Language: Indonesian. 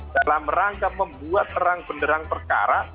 dalam rangka membuat terang benderang perkara